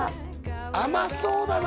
甘そうだな